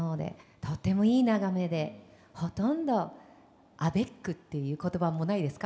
とてもいい眺めでほとんどアベックって言葉はもうないですか？